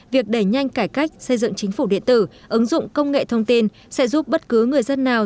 việc đẩy nhanh cải cách xây dựng chính phủ điện tử ứng dụng công nghệ thông tin sẽ giúp bất cứ người dân nào